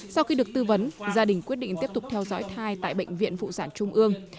sau khi được tư vấn gia đình quyết định tiếp tục theo dõi thai tại bệnh viện phụ sản trung ương